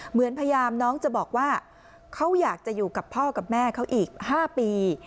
เหมือนพยายามน้องจะบอกว่าเขาอยากจะอยู่กับพ่อกับแม่เขาอีก๕ปี